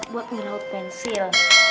buat meraut pensil